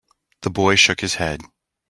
The boy shook his head.